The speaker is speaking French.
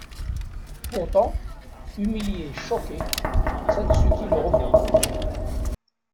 Pourtant, humiliée et choquée, Satsuki le revoit.